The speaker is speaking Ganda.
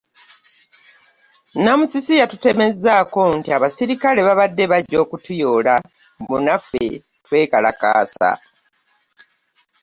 Namusisi yatutemezzaako nti abasirikale baabadde bajja okutuyoola mbu naffe twekalakaasa.